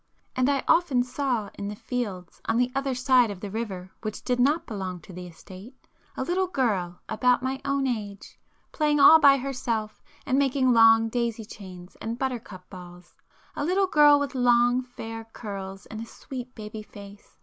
And I often saw in the fields on the other side of the river which did not belong to the estate, a little girl about my own age, playing all by herself and making long daisy chains and buttercup balls,—a little girl with long fair curls and a sweet baby face.